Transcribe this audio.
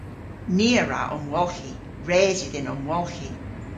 Ni a wra omwolghi. Res yw dhyn omwolghi.